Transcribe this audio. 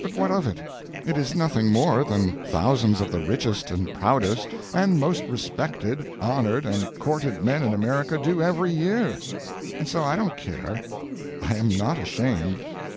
But what of it? It is nothing more than thousands of the richest and proudest, and most respected, honored, and courted men in America do every year. And so I don't care. I am not ashamed.